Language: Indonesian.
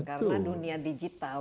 karena dunia digital